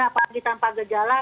apalagi tanpa gejala